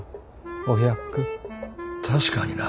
確かにな。